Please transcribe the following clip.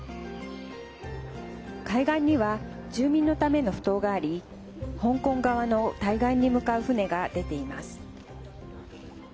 海岸には住民のための埠頭があり香港側の対岸に向かう船が出ています。